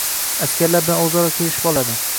Askarlar bilan o‘zaro kelishib oladi.